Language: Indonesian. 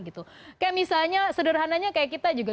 kayak misalnya sederhananya kayak kita juga